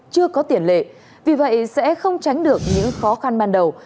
chưa có tiền lệ vì vậy sẽ không tránh được những khó khăn ban đầu